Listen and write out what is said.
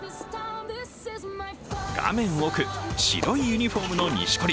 画面奥、白いユニフォームの錦織。